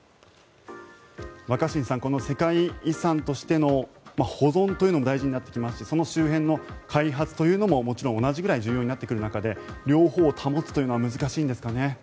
若新さん、この世界遺産としての保存というのも大事になってきますしその周辺の開発というのも同じぐらい大事になってくる中で両方を保つというのは難しいんですかね。